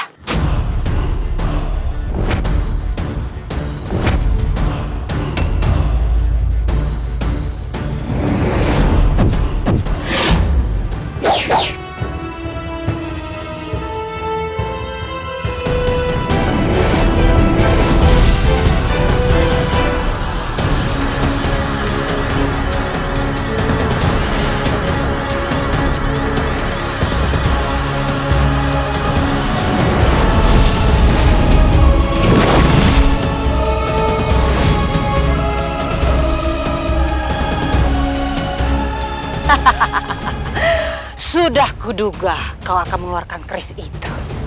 hahaha sudah kuduga kau akan mengeluarkan keris itu